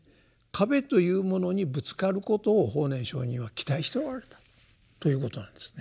壁というものにぶつかることを法然上人は期待しておられたということなんですね。